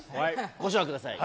ご唱和ください。